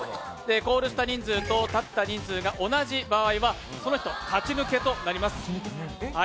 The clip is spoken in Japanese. コールした人数と立った人数が同じだとその人が勝ち抜けとなります。